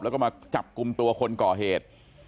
แล้วก็มาจับกลุ่มตัวคนก่อเหตุ